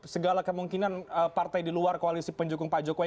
segala kemungkinan partai di luar koalisi pendukung pak jokowi